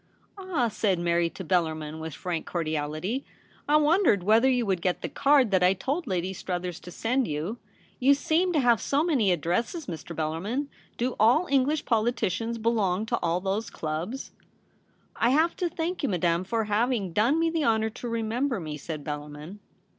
' Ah !' said Mary to Bellarmin, with frank cordiality, * I wondered whether you would get the card that I told Lady Struthers to send you. You seem to have so many addresses, Mr. Bellarmin. Do all English politicians belong to all those clubs ?'' I have to thank you, Madame, for having done me the honour to remember me,' said Bellarmin.